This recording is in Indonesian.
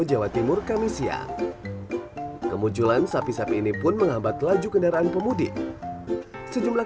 jawa timur kamisia kemunculan sapi sapi ini pun menghambat laju kendaraan pemudik sejumlah